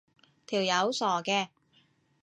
條友傻嘅